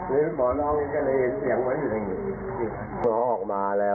นึงหมอน้องก็เลยเห็นเสียงเหมือนอยู่ทางนี้ออกมาแล้ว